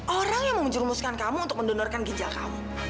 orang yang mau menjurumuskan kamu untuk mendonorkan ginjal kamu